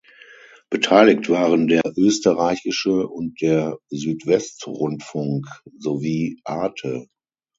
Beteiligt waren der Österreichische und der Südwestrundfunk sowie Arte.